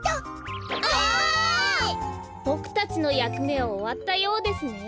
ぼくたちのやくめはおわったようですね。